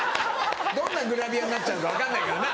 どんなグラビアになっちゃうか分かんないからな。